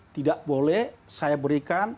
tidak boleh saya berikan